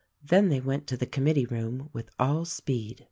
Then they went to the committee room with all speed.